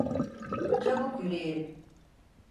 Çabuk yürüyelim!